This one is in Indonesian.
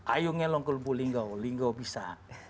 ayo ke lubuk linggau linggau bisa